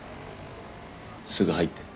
すぐ入って。